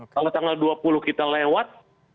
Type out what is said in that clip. kalau tanggal dua puluh kita lewat